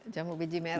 jamu biji merah itu